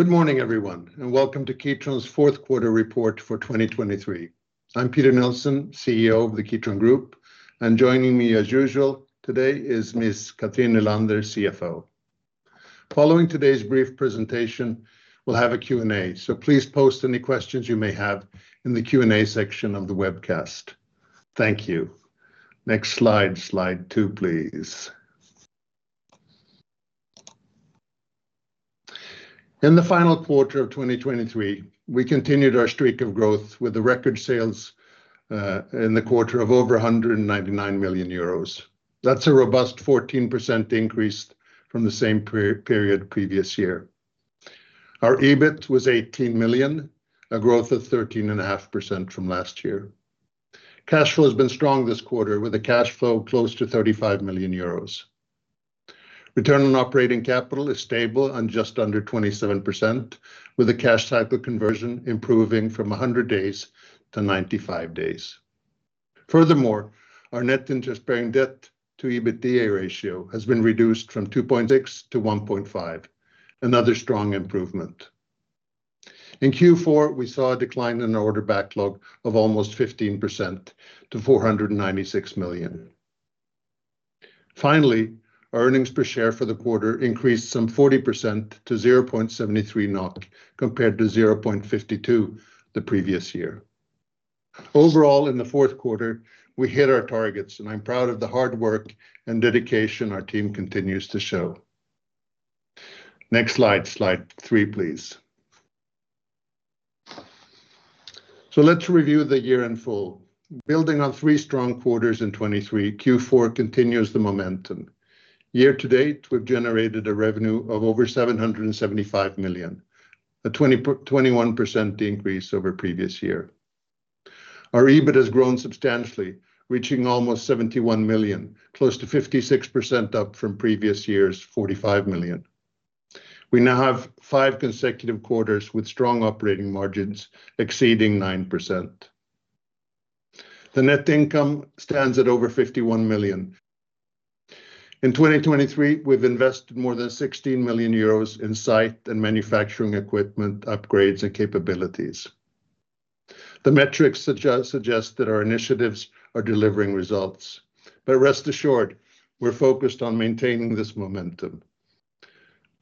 Good morning, everyone, and welcome to Kitron's fourth quarter report for 2023. I'm Peter Nilsson, CEO of the Kitron Group, and joining me as usual today is Ms. Cathrin Nylander, CFO. Following today's brief presentation, we'll have a Q&A, so please post any questions you may have in the Q&A section of the webcast. Thank you. Next slide, slide two, please. In the final quarter of 2023, we continued our streak of growth with a record sales, in the quarter of over 199 million euros. That's a robust 14% increase from the same pre-period previous year. Our EBIT was 18 million, a growth of 13.5% from last year. Cash flow has been strong this quarter, with a cash flow close to 35 million euros. Return on operating capital is stable and just under 27%, with the cash cycle conversion improving from 100 days to 95 days. Furthermore, our net interest bearing debt to EBITDA ratio has been reduced from 2.6 to 1.5, another strong improvement. In Q4, we saw a decline in our order backlog of almost 15% to 496 million. Finally, our earnings per share for the quarter increased some 40% to 0.73 NOK compared to 0.52 the previous year. Overall, in the fourth quarter, we hit our targets, and I'm proud of the hard work and dedication our team continues to show. Next slide, slide three, please. So let's review the year in full. Building on three strong quarters in 2023, Q4 continues the momentum. Year-to-date, we've generated a revenue of over 775 million, a 21% increase over previous year. Our EBIT has grown substantially, reaching almost 71 million, close to 56% up from previous year's 45 million. We now have five consecutive quarters with strong operating margins exceeding 9%. The net income stands at over 51 million. In 2023, we've invested more than 16 million euros in site and manufacturing equipment upgrades and capabilities. The metrics suggest that our initiatives are delivering results, but rest assured, we're focused on maintaining this momentum.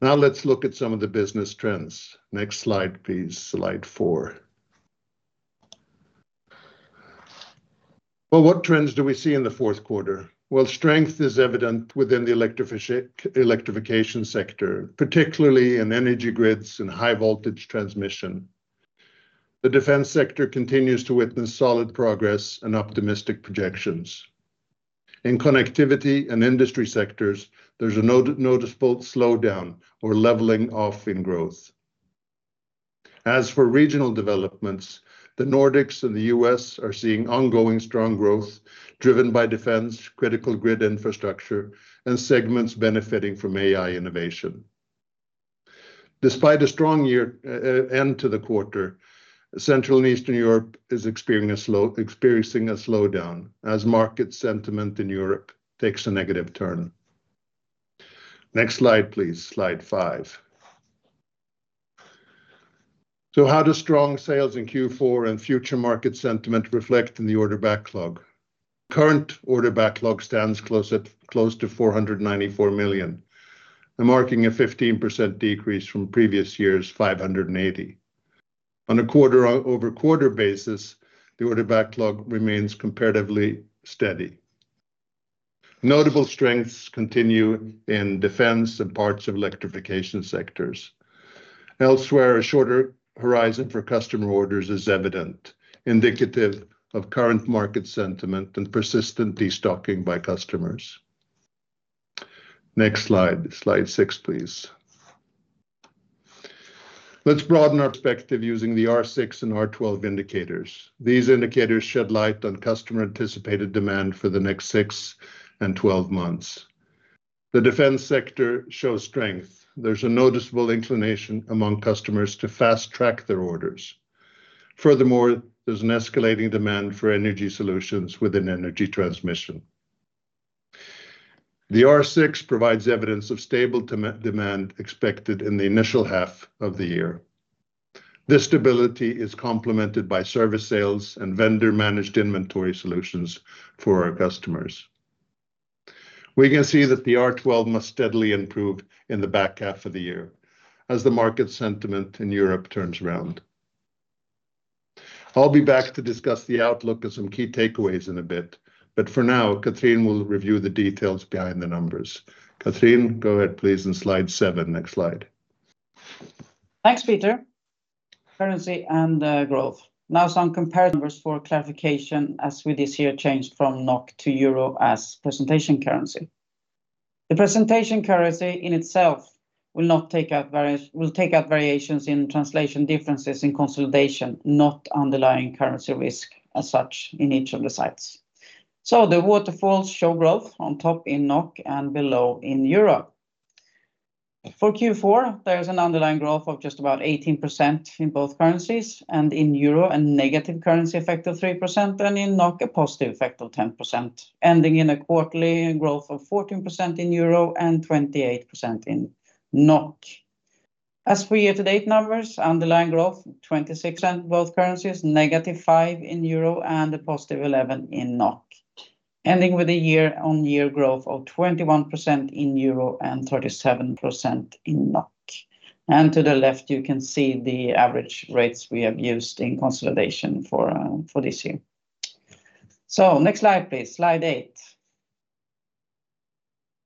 Now let's look at some of the business trends. Next slide, please, slide four. Well, what trends do we see in the fourth quarter? Well, strength is evident within the electrification sector, particularly in energy grids and high-voltage transmission. The defense sector continues to witness solid progress and optimistic projections. In connectivity and industry sectors, there's a notable slowdown or leveling off in growth. As for regional developments, the Nordics and the U.S. are seeing ongoing strong growth driven by defense, critical grid infrastructure, and segments benefiting from AI innovation. Despite a strong year end to the quarter, Central and Eastern Europe is experiencing a slowdown as market sentiment in Europe takes a negative turn. Next slide, please, slide five. So how do strong sales in Q4 and future market sentiment reflect in the order backlog? Current order backlog stands close to 494 million, marking a 15% decrease from previous year's 580 million. On a quarter-over-quarter basis, the order backlog remains comparatively steady. Notable strengths continue in defense and parts of electrification sectors. Elsewhere, a shorter horizon for customer orders is evident, indicative of current market sentiment and persistent destocking by customers. Next slide, slide six, please. Let's broaden our perspective using the R6 and R12 indicators. These indicators shed light on customer-anticipated demand for the next six and 12 months. The defense sector shows strength. There's a noticeable inclination among customers to fast-track their orders. Furthermore, there's an escalating demand for energy solutions within energy transmission. The R6 provides evidence of stable demand expected in the initial half of the year. This stability is complemented by service sales and vendor-managed inventory solutions for our customers. We can see that the R12 must steadily improve in the back half of the year as the market sentiment in Europe turns around. I'll be back to discuss the outlook and some key takeaways in a bit, but for now, Cathrin will review the details behind the numbers. Cathrin, go ahead, please, and slide seven, next slide. Thanks, Peter. Currency and growth. Now some compared numbers for clarification as with this year changed from NOK to euro as presentation currency. The presentation currency in itself will not take out variations in translation differences in consolidation, not underlying currency risk as such in each of the sites. So the waterfalls show growth on top in NOK and below in euro. For Q4, there's an underlying growth of just about 18% in both currencies and in euro, a negative currency effect of 3%, and in NOK a positive effect of 10%, ending in a quarterly growth of 14% in euro and 28% in NOK. As for year-to-date numbers, underlying growth 26% in both currencies, -5% in euro, and a +11% in NOK, ending with a year-on-year growth of 21% in euro and 37% in NOK. To the left, you can see the average rates we have used in consolidation for this year. So next slide, please, slide eight.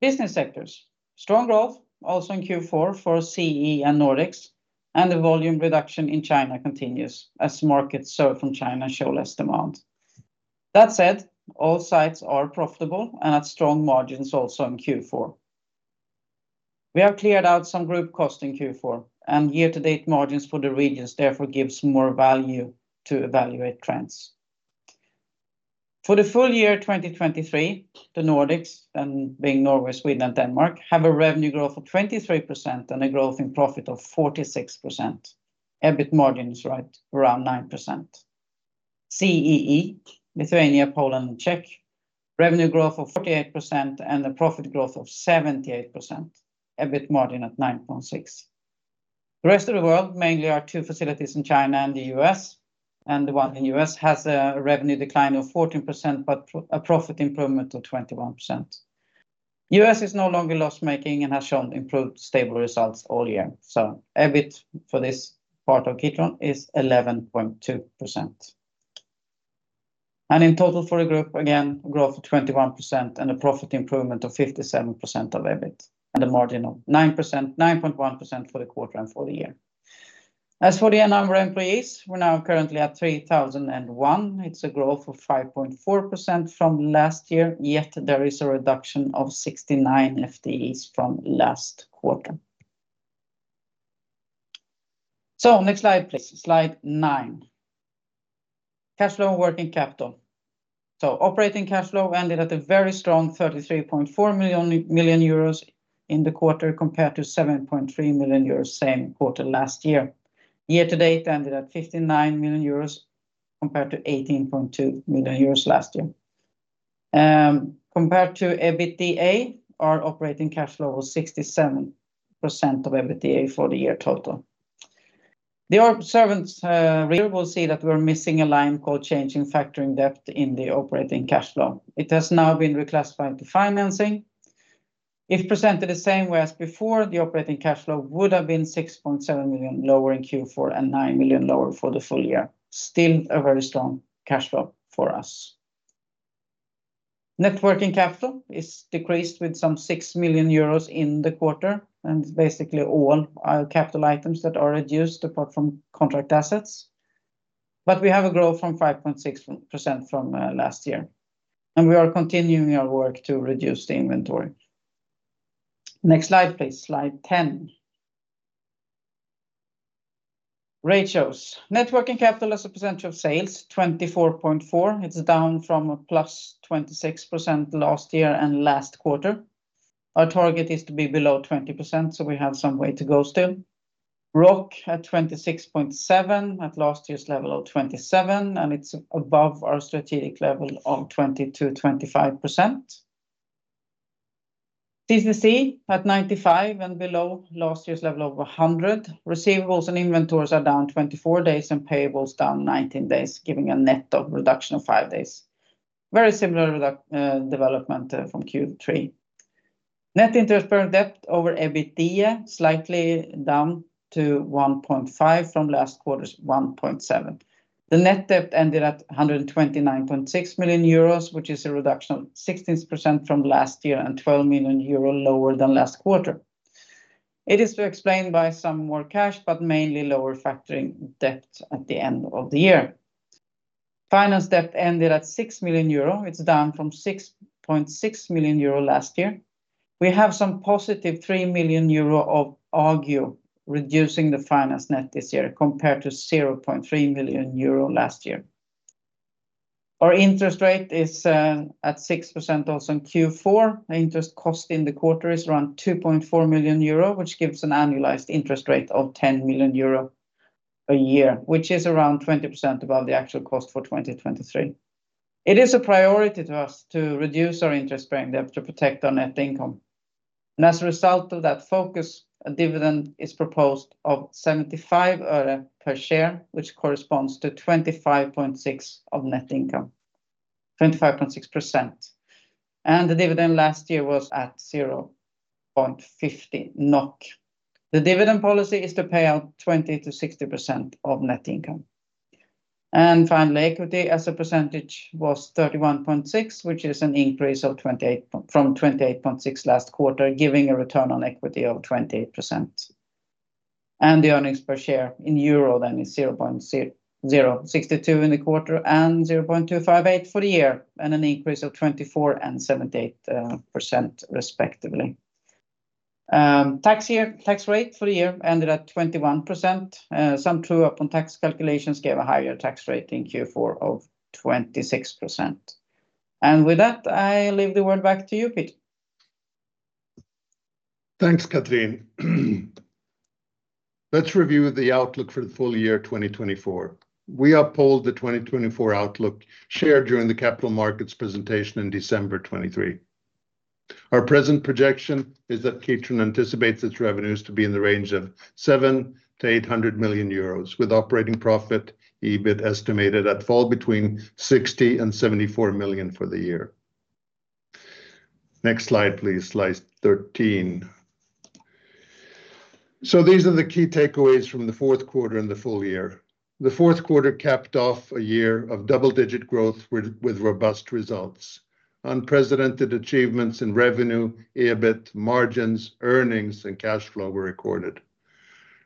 Business sectors: strong growth, also in Q4 for CEE and Nordics, and the volume reduction in China continues as markets from China show less demand. That said, all sites are profitable and at strong margins also in Q4. We have cleared out some group costs in Q4, and year-to-date margins for the regions therefore give some more value to evaluate trends. For the full year 2023, the Nordics, then being Norway, Sweden, and Denmark, have a revenue growth of 23% and a growth in profit of 46%, EBIT margins right around 9%. CEE, Lithuania, Poland, and Czech: revenue growth of 48% and a profit growth of 78%, EBIT margin at 9.6%. The rest of the world, mainly our two facilities in China and the U.S., and the one in the U.S., has a revenue decline of 14% but a profit improvement of 21%. The U.S. is no longer loss-making and has shown improved stable results all year, so EBIT for this part of Kitron is 11.2%. In total for the group, again, growth of 21% and a profit improvement of 57% of EBIT, and a margin of 9.1% for the quarter and for the year. As for the number of employees, we're now currently at 3,001. It's a growth of 5.4% from last year, yet there is a reduction of 69 FTEs from last quarter. Next slide, please, slide nine. Cash flow and working capital. Operating cash flow ended at a very strong 33.4 million euros in the quarter compared to 7.3 million euros, same quarter last year. Year-to-date ended at 59 million euros compared to 18.2 million euros last year. Compared to EBITDA, our operating cash flow was 67% of EBITDA for the year total. Observers will see that we're missing a line called changes in factoring debt in the operating cash flow. It has now been reclassified to financing. If presented the same way as before, the operating cash flow would have been 6.7 million lower in Q4 and 9 million lower for the full year. Still a very strong cash flow for us. Net working capital is decreased by some 6 million euros in the quarter, and it's basically all capital items that are reduced apart from contract assets. But we have a growth from 5.6% from last year, and we are continuing our work to reduce the inventory. Next slide, please, slide 10. Ratios: net working capital as a percentage of sales, 24.4%. It's down from +26% last year and last quarter. Our target is to be below 20%, so we have some way to go still. ROC at 26.7% at last year's level of 27%, and it's above our strategic level of 22%-25%. CCC at 95% and below last year's level of 100%. Receivables and inventories are down 24 days and payables down 19 days, giving a net reduction of five days. Very similar reduction development from Q3. Net interest bearing debt over EBITDA slightly down to 1.5% from last quarter's 1.7%. The net debt ended at 129.6 million euros, which is a reduction of 16% from last year and 12 million euro lower than last quarter. It is to explain by some more cash, but mainly lower factoring debt at the end of the year. Finance debt ended at 6 million euro. It's down from 6.6 million euro last year. We have some +3 million euro of EBITDA reducing the finance net this year compared to 0.3 million euro last year. Our interest rate is at 6% also in Q4. The interest cost in the quarter is around 2.4 million euro, which gives an annualized interest rate of 10 million euro a year, which is around 20% above the actual cost for 2023. It is a priority to us to reduce our interest bearing debt to protect our net income. As a result of that focus, a dividend is proposed of NOK 0.75 per share, which corresponds to 25.6% of net income, 25.6%. The dividend last year was at 0.50 NOK. The dividend policy is to pay out 20%-60% of net income. Finally, equity as a percentage was 31.6%, which is an increase of 28% from 28.6% last quarter, giving a return on equity of 28%. The earnings per share in euro then is 0.062 in the quarter and 0.258 for the year, and an increase of 24% and 78% respectively. The tax rate for the year ended at 21%. Some true-up on tax calculations gave a higher tax rate in Q4 of 26%. With that, I leave the word back to you, Peter. Thanks, Cathrin. Let's review the outlook for the full year 2024. We uphold the 2024 outlook shared during the capital markets presentation in December 2023. Our present projection is that Kitron anticipates its revenues to be in the range of 700 million-800 million euros, with operating profit (EBIT) estimated to fall between 60 million and 74 million for the year. Next slide, please, slide 13. So these are the key takeaways from the fourth quarter and the full year. The fourth quarter capped off a year of double-digit growth with robust results. Unprecedented achievements in revenue, EBIT, margins, earnings, and cash flow were recorded.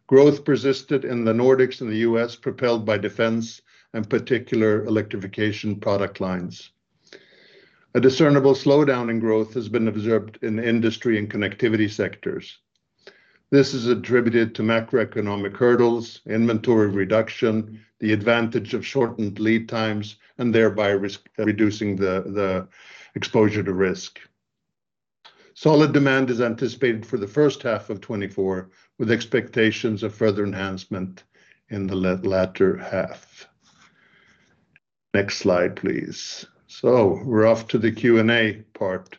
Growth persisted in the Nordics and the U.S., propelled by defense and particular electrification product lines. A discernible slowdown in growth has been observed in industry and connectivity sectors. This is attributed to macroeconomic hurdles, inventory reduction, the advantage of shortened lead times, and thereby reducing the exposure to risk. Solid demand is anticipated for the first half of 2024, with expectations of further enhancement in the latter half. Next slide, please. So we're off to the Q&A part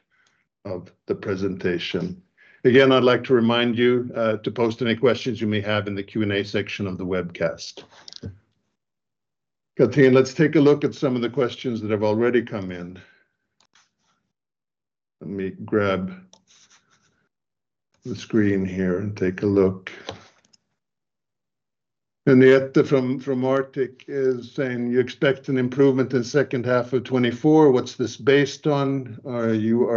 of the presentation. Again, I'd like to remind you to post any questions you may have in the Q&A section of the webcast. Cathrin, let's take a look at some of the questions that have already come in. Let me grab the screen here and take a look. Henriette from Arctic is saying, "You expect an improvement in the second half of 2024. What's this based on? Are you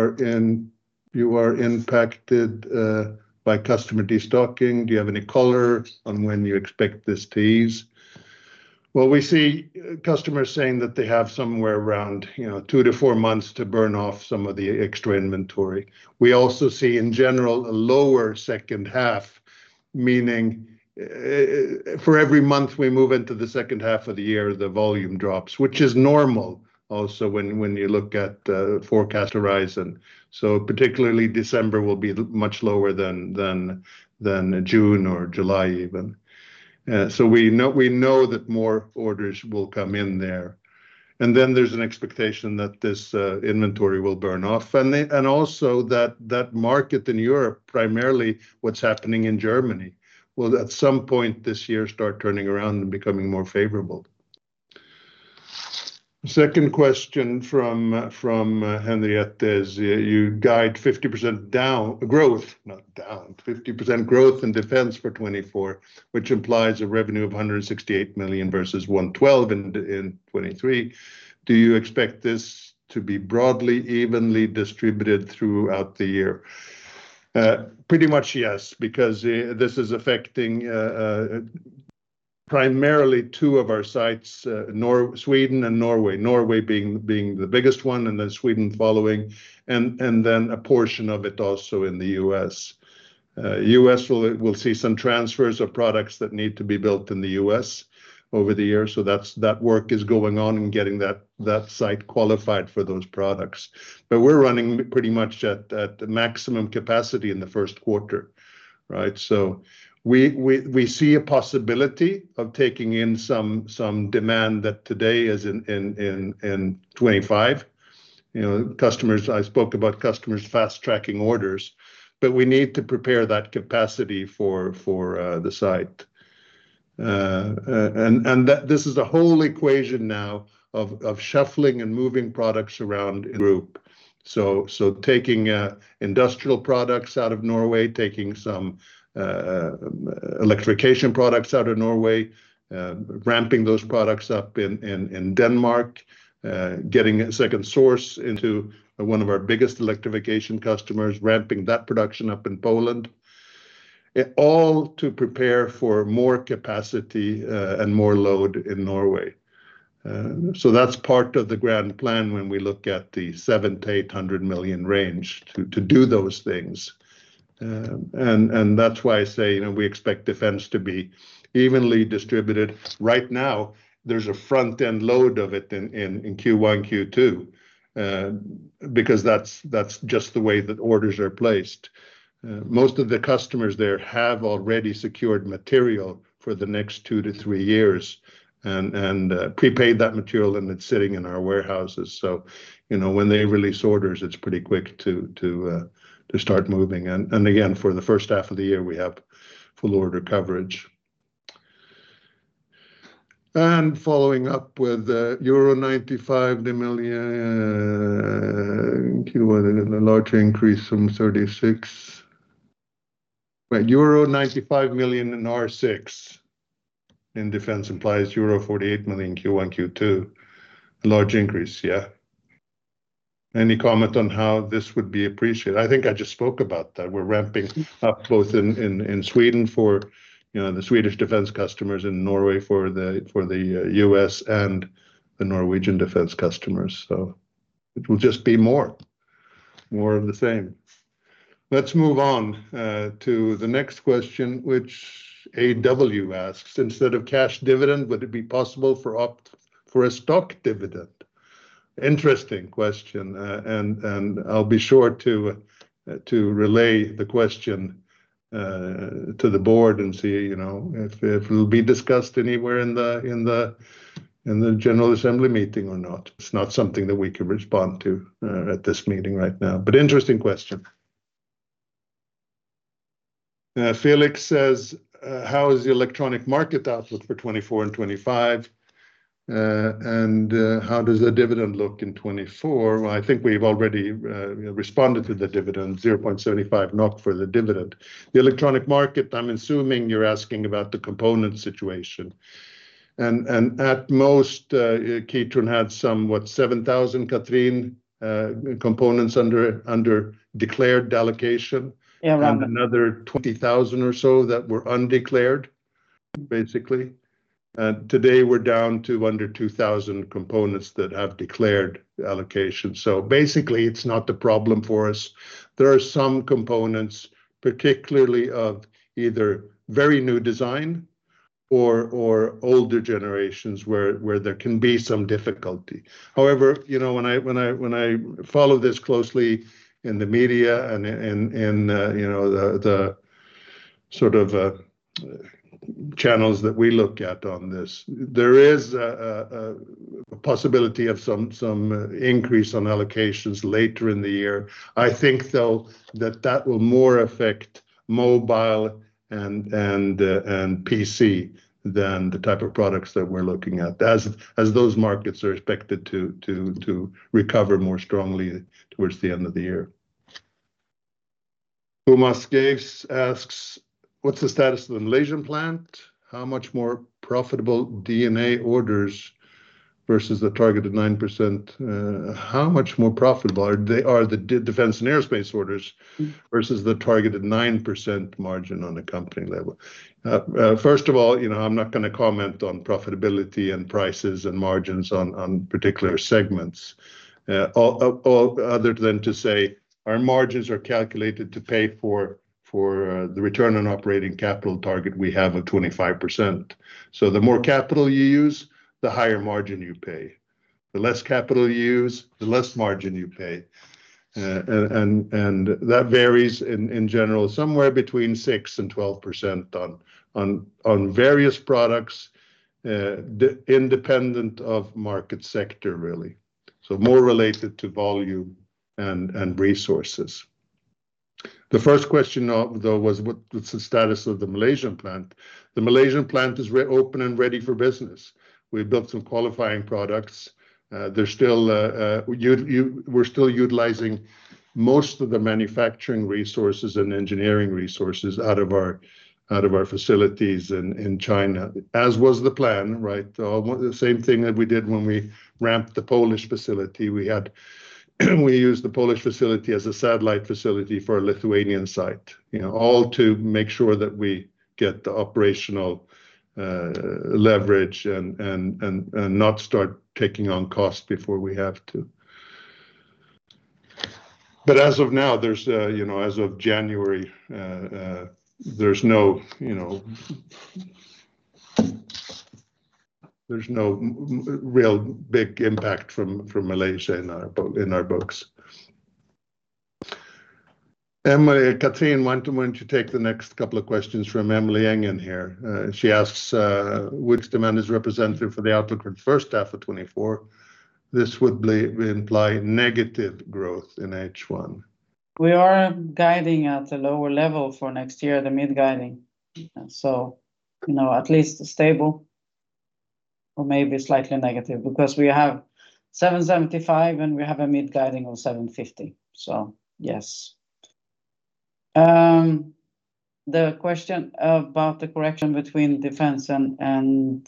impacted by customer destocking? Do you have any color on when you expect this to ease?" Well, we see customers saying that they have somewhere around, you know, two-four months to burn off some of the extra inventory. We also see, in general, a lower second half, meaning, for every month we move into the second half of the year, the volume drops, which is normal also when you look at forecast horizon. So particularly December will be much lower than June or July even. So we know that more orders will come in there. And then there's an expectation that this inventory will burn off. And they also that market in Europe, primarily what's happening in Germany, will at some point this year start turning around and becoming more favorable. Second question from Henriette is, "You guide 50% growth, not down, 50% growth in defense for 2024, which implies a revenue of 168 million versus 112 million in 2023. Do you expect this to be broadly, evenly distributed throughout the year?" Pretty much yes, because this is affecting, primarily two of our sites, in Sweden and Norway, Norway being the biggest one and then Sweden following, and then a portion of it also in the U.S. U.S. will see some transfers of products that need to be built in the U.S. over the year, so that's that work is going on and getting that site qualified for those products. But we're running pretty much at maximum capacity in the first quarter, right? So we see a possibility of taking in some demand that today is in 2025. You know, customers I spoke about customers fast-tracking orders, but we need to prepare that capacity for the site. And that this is a whole equation now of shuffling and moving products around in the group. So taking industrial products out of Norway, taking some electrification products out of Norway, ramping those products up in Denmark, getting a second source into one of our biggest electrification customers, ramping that production up in Poland, all to prepare for more capacity and more load in Norway. So that's part of the grand plan when we look at the 700 million-800 million to do those things. And that's why I say, you know, we expect defense to be evenly distributed. Right now, there's a front-end load of it in Q1, Q2, because that's just the way that orders are placed. Most of the customers there have already secured material for the next two-three years and prepaid that material, and it's sitting in our warehouses. So, you know, when they release orders, it's pretty quick to start moving. And again, for the first half of the year, we have full order coverage. And following up with euro 95 million Q1, a larger increase from 36 million. Wait, euro 95 million in R6 in defense implies euro 48 million Q1, Q2, a large increase, yeah. Any comment on how this would be appreciated? I think I just spoke about that. We're ramping up both in Sweden for, you know, the Swedish defense customers and Norway for the U.S. and the Norwegian defense customers. So it will just be more of the same. Let's move on to the next question, which AW asks. Instead of cash dividend, would it be possible to opt for a stock dividend?" Interesting question, and I'll be sure to relay the question to the board and see, you know, if it'll be discussed anywhere in the General Assembly meeting or not. It's not something that we can respond to at this meeting right now, but interesting question. Felix says, how is the electronics market outlook for 2024 and 2025? And how does the dividend look in 2024? Well, I think we've already, you know, responded to the dividend, 0.75 NOK for the dividend. The electronics market, I'm assuming you're asking about the component situation. And at most, Kitron had some, what, 7,000, Cathrin, components under declared allocation and another 20,000 or so that were undeclared, basically. And today we're down to under 2,000 components that have declared allocation. So basically, it's not the problem for us. There are some components, particularly of either very new design or older generations where there can be some difficulty. However, you know, when I follow this closely in the media and in, you know, the sort of channels that we look at on this, there is a possibility of some increase on allocations later in the year. I think, though, that that will more affect mobile and PC than the type of products that we're looking at as those markets are expected to recover more strongly towards the end of the year. Umas Gates asks, "What's the status of the Malaysian plant? How much more profitable DNA orders versus the targeted 9%? How much more profitable are they, the defense and aerospace orders versus the targeted 9% margin on a company level?" First of all, you know, I'm not going to comment on profitability and prices and margins on particular segments, all other than to say our margins are calculated to pay for the return on operating capital target we have of 25%. So the more capital you use, the higher margin you pay. The less capital you use, the less margin you pay. That varies in general somewhere between 6% and 12% on various products, independent of market sector, really, so more related to volume and resources. The first question, though, was, "What's the status of the Malaysian plant?" The Malaysian plant is open and ready for business. We've built some qualifying products. There's still, you, we're still utilizing most of the manufacturing resources and engineering resources out of our facilities in China, as was the plan, right? All the same thing that we did when we ramped the Polish facility. We used the Polish facility as a satellite facility for a Lithuanian site, you know, all to make sure that we get the operational leverage and not start taking on cost before we have to. But as of now, there's, you know, as of January, there's no real big impact from Malaysia in our books. Emily, Cathrin, why don't you take the next couple of questions from Emily Engen here? She asks, "Would demand is representative for the outlook for the first half of 2024, this would imply negative growth in H1? We are guiding at a lower level for next year, the mid-guiding. So, you know, at least stable or maybe slightly negative because we have 775 and we have a mid-guiding of 750. So yes. The question about the correction between defense and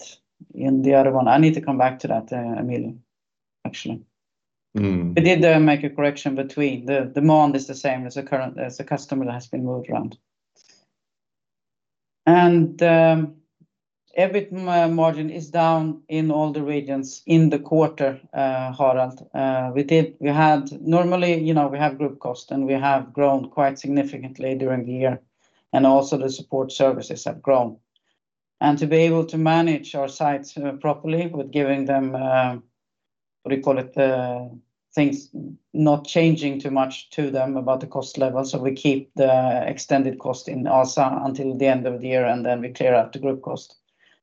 in the other one, I need to come back to that, Emily, actually. We did make a correction between. The margin is the same. There's currently a customer that has been moved around. And EBIT margin is down in all the regions in the quarter, Harald. We had normally, you know, we have group cost and we have grown quite significantly during the year, and also the support services have grown. And to be able to manage our sites properly with giving them, what do you call it, things not changing too much to them about the cost level. So we keep the extended cost in ASA until the end of the year, and then we clear out the group cost.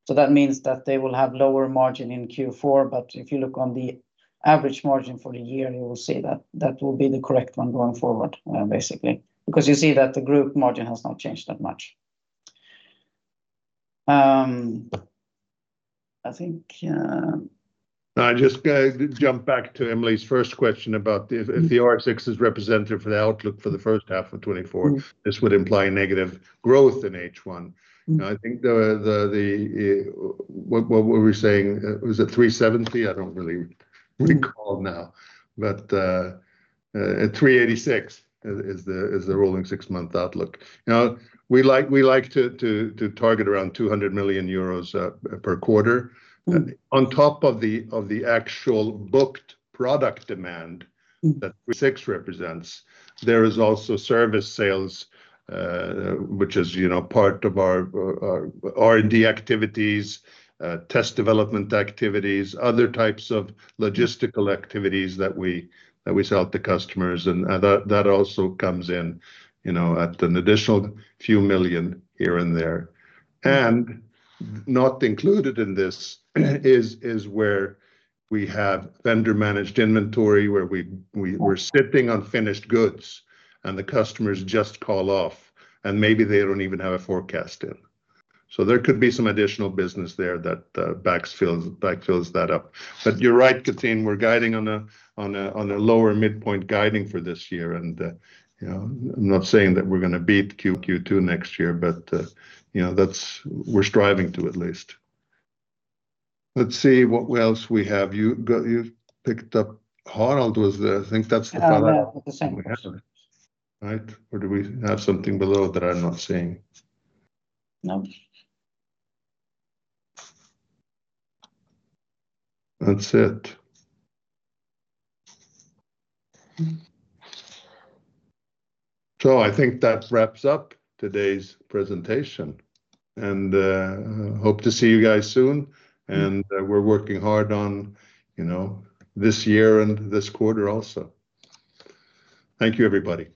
So that means that they will have lower margin in Q4, but if you look on the average margin for the year, you will see that that will be the correct one going forward, basically, because you see that the group margin has not changed that much. I think, No, I just jump back to Emily's first question about if the R6 is representative for the outlook for the first half of 2024, this would imply negative growth in H1. I think the what were we saying? Was it 370 million? I don't really recall now, but 386 million is the rolling six-month outlook. Now, we like to target around 200 million euros per quarter. And on top of the actual booked product demand that 386 million represents, there is also service sales, which is, you know, part of our R&D activities, test development activities, other types of logistical activities that we sell to customers. And that also comes in, you know, at an additional few million here and there. And not included in this is where we have vendor-managed inventory where we're sitting on finished goods and the customers just call off, and maybe they don't even have a forecast in. So there could be some additional business there that backfills that up. But you're right, Cathrin. We're guiding on a lower midpoint guiding for this year. And, you know, I'm not saying that we're going to beat Q2 next year, but, you know, that's we're striving to at least. Let's see what else we have. You picked up Harald was there. I think that's the final. I have that at the same time. Right? Or do we have something below that I'm not seeing? No. That's it. So I think that wraps up today's presentation and hope to see you guys soon. And we're working hard on, you know, this year and this quarter also. Thank you, everybody.